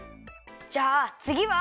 じゃあつぎは。